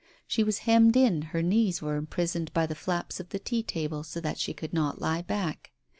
She was hemmed in, her knees were imprisoned by the flaps of the tea table so that she could not lie back.